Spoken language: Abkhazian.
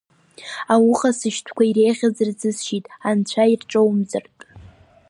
Ауха сышьтәақәа иреиӷьыз рзысшьит, анцәа ирҿоумҵартә.